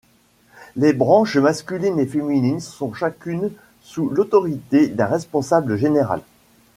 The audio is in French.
Les branches masculine et féminine sont chacune sous l'autorité d'un Responsable général.